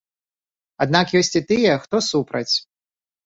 Аднак ёсць і тыя, хто супраць.